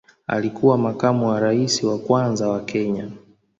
Alikuwa makamu wa rais wa kwanza wa Kenya.